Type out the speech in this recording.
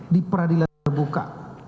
di peradilan terbuka